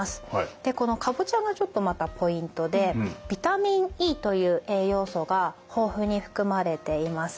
でこのカボチャがちょっとまたポイントでビタミンＥという栄養素が豊富に含まれています。